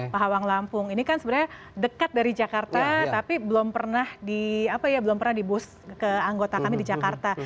pahawang lampung ini kan sebenarnya dekat dari jakarta tapi belum pernah di boost ke anggota kami di jakarta